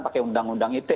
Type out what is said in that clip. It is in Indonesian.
pakai undang undang ite